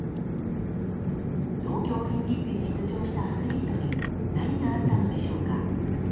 東京オリンピックに出場したアスリートに何があったのでしょうか。